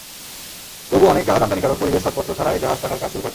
তবু অনেক জাহাজ আমদানিকারক পরিবেশ ছাড়পত্র ছাড়াই জাহাজ কাটার কাজ শুরু করেন।